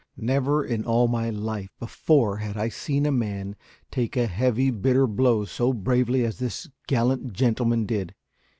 Never in all my life before had I seen a man take a heavy, bitter blow so bravely as this gallant gentleman did.